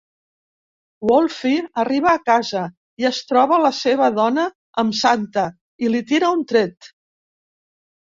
Wolfy arriba a casa i es troba la seva dona amb Santa i li tira un tret.